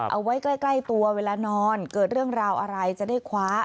เอาไว้ใกล้ตัวเวลานอนเกิดเรื่องราวอะไรจะได้คว้า